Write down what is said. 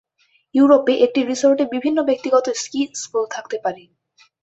ইউরোপে, একটি রিসোর্টে বিভিন্ন ব্যক্তিগত স্কি স্কুল থাকতে পারে।